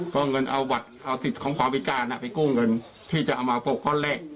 ก็เงินเอาสิบของความวิการไปกู้เงินที่จะเอามาปกข้อแรก